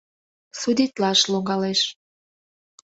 Судитлаш логалеш...